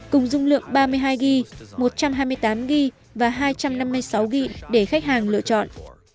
cùng dung lượng ba mươi hai g một trăm hai mươi tám gb và hai trăm năm mươi sáu g để khách hàng lựa chọn